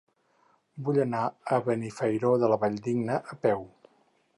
Vull anar a Benifairó de la Valldigna a peu.